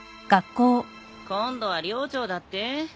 今度は寮長だって？